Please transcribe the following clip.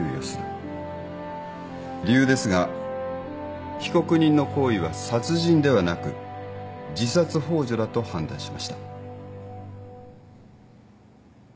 理由ですが被告人の行為は殺人ではなく自殺ほう助だと判断しました。